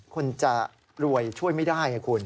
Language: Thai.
คนจะรวยช่วยไม่ได้ไงคุณ